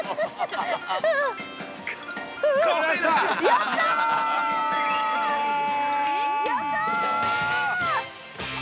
やったあ！